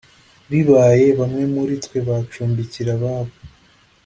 bibaye bamwe muri twe bacumbikira abo